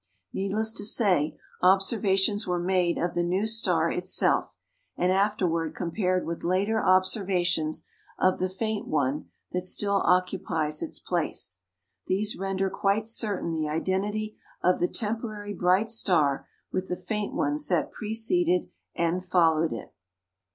Needless to say, observations were made of the new star itself, and afterward compared with later observations of the faint one that still occupies its place. These render quite certain the identity of the temporary bright star with the faint ones that preceded and followed it.